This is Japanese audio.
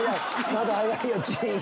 まだ早いよ！